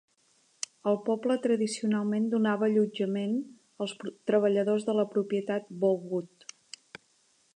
El poble tradicionalment donava allotjament als treballadors de la propietat Bowood.